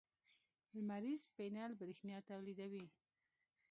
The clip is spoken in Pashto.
لمریز پینل برېښنا تولیدوي.